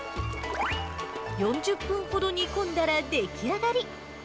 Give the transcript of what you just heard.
４０分ほど煮込んだら出来上がり。